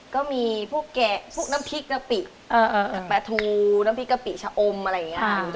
ก็มีพวกแกะพวกน้ำพริกกะปิปลาทูน้ำพริกกะปิชะอมอะไรอย่างนี้